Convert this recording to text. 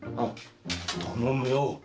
頼むよ。